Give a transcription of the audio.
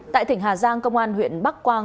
tại thỉnh hà giang công an huyện bắc quang